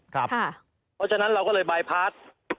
เพราะฉะนั้นเราก็เลยบายพาร์ท